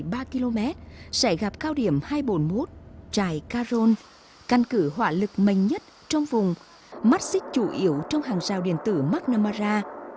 ba km sẽ gặp cao điểm hai trăm bốn mươi một trải caron căn cứ hỏa lực mạnh nhất trong vùng mắt xích chủ yếu trong hàng rào điện tử mcnamara